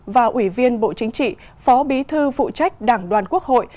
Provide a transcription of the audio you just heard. và ủy viên bộ chính trị phó bí thư phụ trách đảng đoàn quốc hội